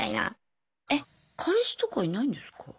え彼氏とかいないんですか？